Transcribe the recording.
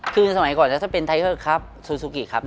คือสมัยก่อนถ้าเป็นไทเทอร์ครับซูซูกิครับ